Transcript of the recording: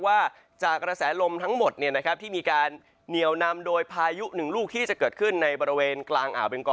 ว่าจากกระแสลมทั้งหมดที่มีการเหนียวนำโดยพายุหนึ่งลูกที่จะเกิดขึ้นในบริเวณกลางอ่าวเบงกอ